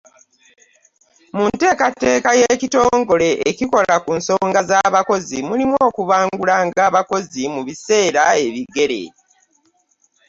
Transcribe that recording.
Mu nteekateeka y’ekitongole ekikola ku nsonga z’abakozi mulimu okubangulanga abakozi mu biseera ebigere.